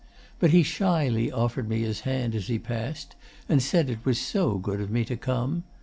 But he shyly offered me his hand as he passed, and said it was so good of me to come.